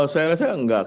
saya rasa enggak